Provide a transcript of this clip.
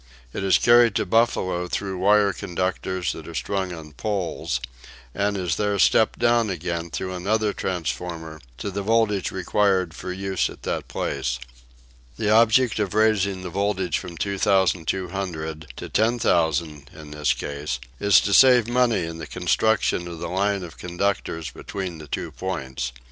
It is carried to Buffalo through wire conductors that are strung on poles, and is there "stepped down" again through another transformer to the voltage required for use at that place. The object of raising the voltage from 2200 to 10,000 in this case is to save money in the construction of the line of conductors between the two points.